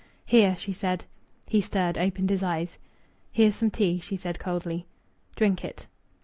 "Here!" she said. He stirred, opened his eyes. "Here's some tea!" she said coldly. "Drink it."